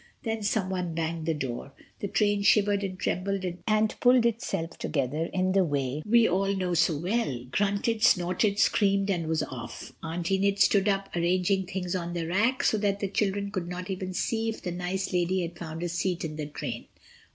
Then someone banged the door—the train shivered and trembled and pulled itself together in the way we all know so well—grunted, snorted, screamed, and was off. Aunt Enid stood up arranging things on the rack, so that the children could not even see if the nice lady had found a seat in the train.